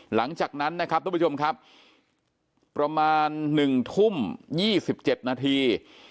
หลังจากนั้นนะครับทุกผู้ชมครับประมาณหนึ่งทุ่มยี่สิบเจ็ดนาที